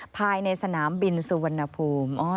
ภายในสนามบินสุวรรณภูมิ